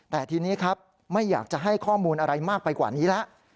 แต่ทีนี้ครับไม่อยากจะให้ข้อมูลอะไรมากไปกว่านี้แล้ว